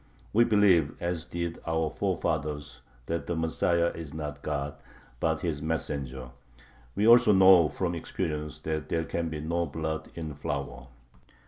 We believe, as did our forefathers, that the Messiah is not God, but His messenger. We also know from experience that there can be no blood in flour.